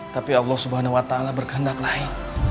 tapi allah swt berkendaklahi